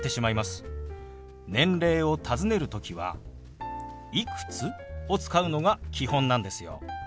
年齢をたずねる時は「いくつ？」を使うのが基本なんですよ。